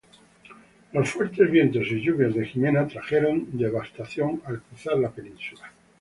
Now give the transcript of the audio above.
Los fuertes vientos y lluvias de Jimena trajeron devastación al cruzar la península.